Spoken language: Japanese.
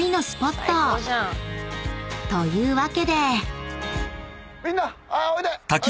というわけで］